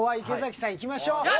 池崎さんいきましょう。